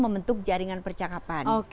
membentuk jaringan percakapan